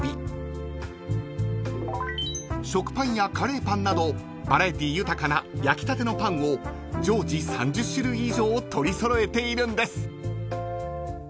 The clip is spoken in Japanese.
［食パンやカレーパンなどバラエティー豊かな焼きたてのパンを常時３０種類以上取り揃えているんです］